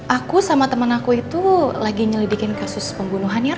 aku sama teman aku itu lagi nyelidikin kasus pembunuhan ya